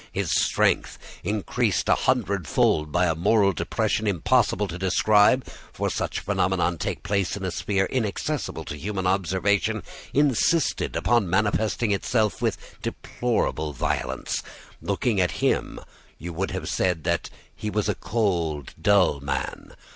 His strength, increased a hundredfold by a moral depression impossible to describe, for such phenomena take place in a sphere inaccessible to human observation, insisted upon manifesting itself with deplorable violence. Looking at him, you would have said that he was a cold, dull man.